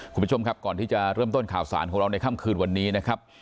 คุณผู้ชมครับก่อนที่จะเริ่มต้นข่าวสารของเราในค่ำคืนวันนี้นะครับ